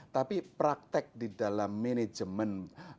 tapi praktik di dalam management